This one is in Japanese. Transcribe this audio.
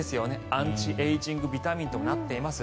アンチエイジングビタミンとなっています。